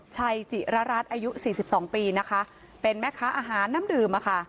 ชัยจิรรรรธอายุ๔๒ปีเป็นแม่ค้าอาหารน้ำดื่ม